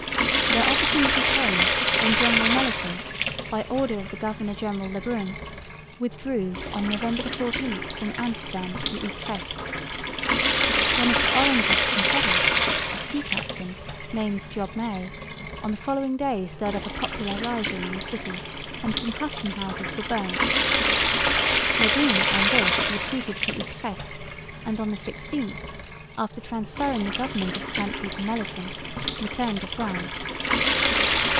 Their opportunity came when General Melliton, by order of the governor general Le Brun, withdrew on November 14 from Amsterdam to Utrecht. One of the Orangist confederates, a sea captain, named Job May, on the following day stirred up a popular rising in the city; and some custom houses were burnt. Le Brun himself on this retreated to Utrecht and, on the 16th, after transferring the government of the country to Melliton, returned to France.